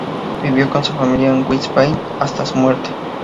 Vivió con su familia en Wiesbaden hasta su muerte.